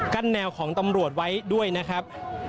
แนวของตำรวจไว้ด้วยนะครับ